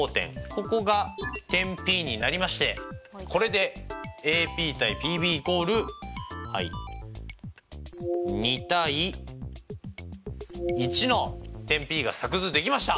ここが点ＰになりましてこれでＡＰ：ＰＢ＝２：１の点Ｐが作図できました！